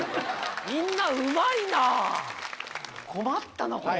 みんなうまいな困ったなこれ。